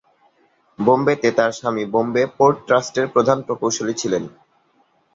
বোম্বেতে তার স্বামী বোম্বে পোর্ট ট্রাস্টের প্রধান প্রকৌশলী ছিলেন।